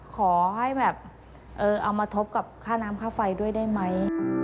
ขอให้แบบเอามาทบกับค่าน้ำค่าไฟด้วยได้ไหม